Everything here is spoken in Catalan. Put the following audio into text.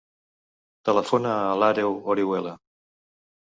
Telefona a l'Àreu Orihuela.